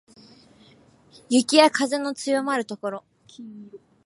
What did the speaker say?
雪や風の強まる所